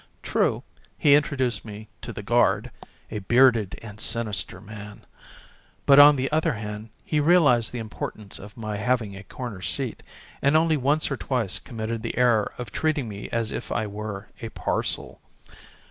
True, he introduced me to the guard, a bearded and sinister man ; but, on the other hand, he realised the importance of my having a corner seat, and only once or twice 10 THE DAY BEFORE YESTERDAY committed the error of treating me as if I were a parcel.